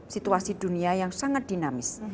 situasi dunia yang sangat dinamis